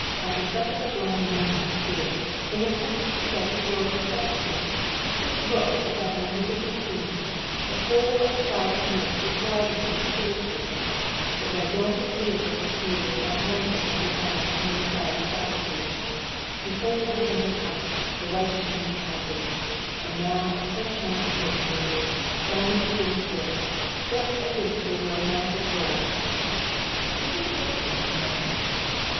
"At such a sublime moment, too, in the presence of such a glorious spectacle! Just look at that magnificent scene! The whole of the cloud of mist is rising like a stage curtain. The gigantic theatre appears like magic from behind the hanging cloudy tapestries. Behold the sunlit heights, the white shimmering houses. And now a fresh mountain chain emerges crowned with dim forests. Just as if they were of massive gold...." "Give me the bacon, I say."